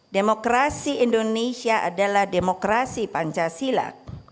demokrasi indonesia adalah demokrasi pancasila